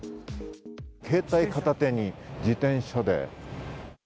携帯片手に自転車で。